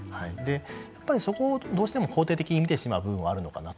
やっぱりそこをどうしても肯定的に見てしまう面はあるのかなと。